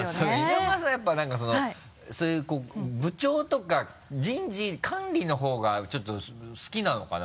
稲村さんやっぱ何かそのそういうこう部長とか人事管理のほうがちょっと好きなのかな？